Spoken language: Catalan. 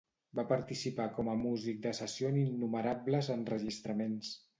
Va participar com a músic de sessió en innumerables enregistraments.